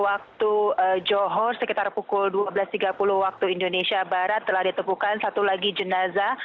waktu johor sekitar pukul dua belas tiga puluh waktu indonesia barat telah ditemukan satu lagi jenazah